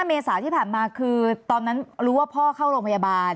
เมษาที่ผ่านมาคือตอนนั้นรู้ว่าพ่อเข้าโรงพยาบาล